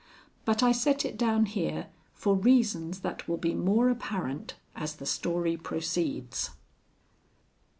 But I set it down here for reasons that will be more apparent as the story proceeds.